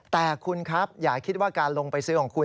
แต่คุณครับอย่าคิดว่าการลงไปซื้อของคุณ